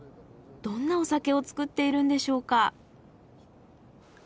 どんなお酒を造っているんでしょうか？